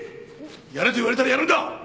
やれと言われたらやるんだ！